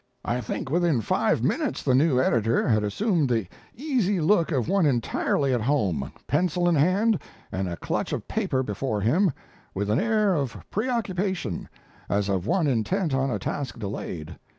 I think within five minutes the new editor had assumed the easy look of one entirely at home, pencil in hand and a clutch of paper before him, with an air of preoccupation, as of one intent on a task delayed.